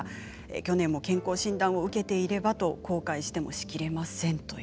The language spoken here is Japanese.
去年も健康診断を受けていればと後悔してもしきれません。